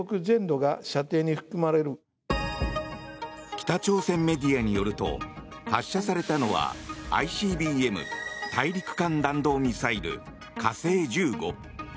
北朝鮮メディアによると発射されたのはＩＣＢＭ・大陸間弾道ミサイル火星１５。